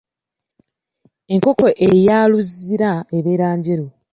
Enkoko eya luzira eba njeru.